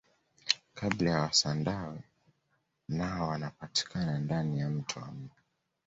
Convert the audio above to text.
kabila la wasandawe nao wanapatikana ndani ya mto wa mbu